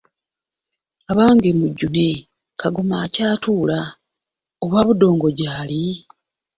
"Abange munjune, Kagoma akyatuula, oba budongo gyali?"